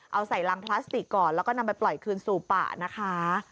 เอาใส่รังพลาสติกก่อนแล้วก็นำไปปล่อยคืนสู่ป่านะคะ